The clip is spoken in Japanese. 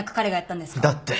だって。